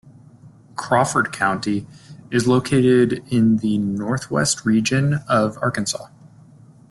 Crawford County is located in the northwest region of Arkansas.